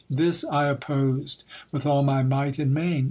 . This I opposed with all my might and main.